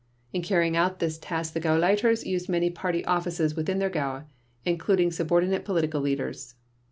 In carrying out this task the Gauleiters used many Party offices within their Gaue, including subordinate Political Leaders.